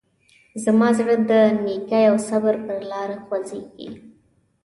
زما زړه د نیکۍ او صبر په لاره خوځېږي.